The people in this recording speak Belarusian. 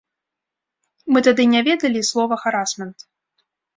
Мы тады не ведалі слова харасмент.